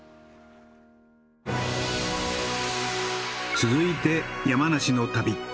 続いて山梨の旅。